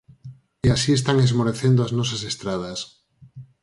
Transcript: E así están esmorecendo as nosas estradas.